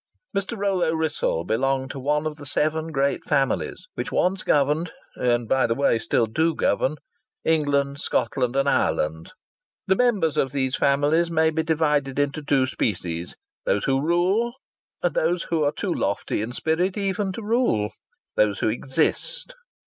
Mr. Rollo Wrissell belonged to one of the seven great families which once governed and by the way still do govern England, Scotland and Ireland. The members of these families may be divided into two species: those who rule, and those who are too lofty in spirit even to rule those who exist.